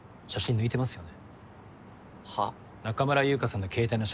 抜いてますよね？